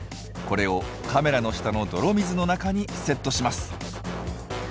これをカメラの下の泥水の中にセットします。